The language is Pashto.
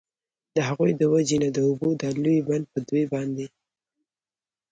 د هغوی د وجي نه د اوبو دا لوی بند په دوی باندي